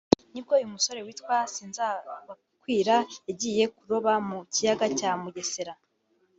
nibwo uyu musore witwa Sinzabakwira yagiye kuroba mu kiyaga cya Mugesera